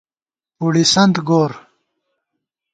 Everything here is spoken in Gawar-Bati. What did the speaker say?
پُڑِسنت گور